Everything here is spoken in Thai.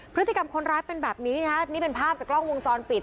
พฤติกรรมคนร้ายเป็นแบบนี้นะฮะนี่เป็นภาพจากกล้องวงจรปิด